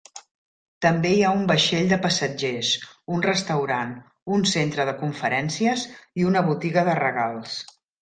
També hi ha un vaixell de passatgers, un restaurant, un centre de conferències i una botiga de regals.